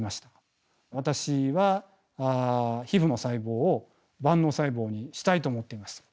私は皮ふの細胞を万能細胞にしたいと思っています。